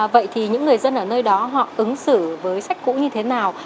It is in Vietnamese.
vậy thì những người dân ở nơi đó họ ứng xử với sách cũ như thế nào